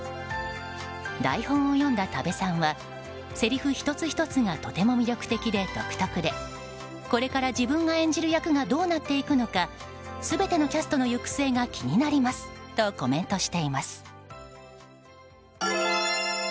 台本を読んだ多部さんはせりふ１つ１つがとても魅力的で、独特でこれから自分が演じる役がどうなっていくのか全てのキャストの行く末が気になりますとコメントしています。